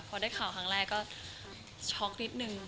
พอได้ข่าวครั้งแรกก็ช็อกนิดนึง